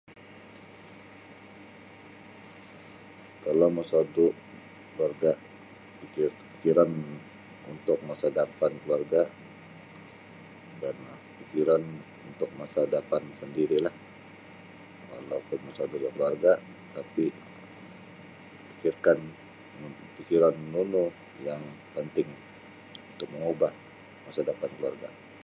Kalau mosodu keluarga ji jiran untuk masa dapan keluarga dan jiran untuk masa dapan sendirilah walaupun mosodu da keluarga tapi pikirkan pikironunu yang panting untuk mengubah masa dapan keluarga.